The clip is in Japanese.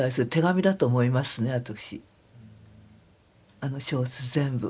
あの小説全部。